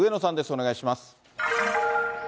お願いします。